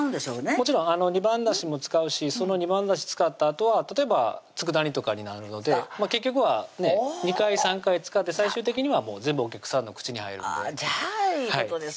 もちろん二番だしも使うしその二番だし使ったあとは例えば佃煮とかになるので結局は２回３回使って最終的には全部お客さんの口に入るんでじゃあいいことです